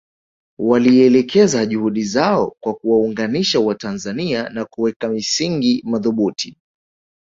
Walielekeza juhudi zao kwa kuwaunganisha Watanzania na kuweka misingi madhubuti